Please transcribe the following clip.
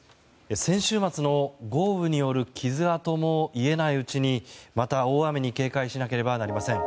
先週末の豪雨による傷跡も癒えないうちにまた大雨に警戒しなければなりません。